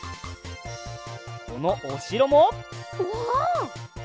このおしろも。うわ！